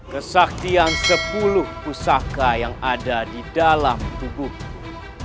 kesaktian sepuluh pusaka yang ada di dalam tubuhku